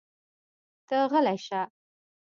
ته غلی شه!